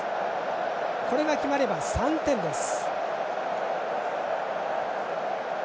これが決まれば３点です。